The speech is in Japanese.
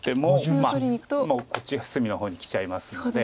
まあこっちが隅の方にきちゃいますので。